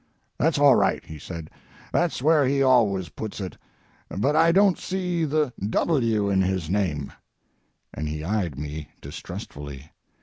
"That's all right," he said, "that's where he always puts it; but I don't see the 'W' in his name," and he eyed me distrustfully.